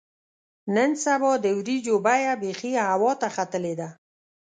نن سبا د وریجو بیه بیخي هوا ته ختلې ده.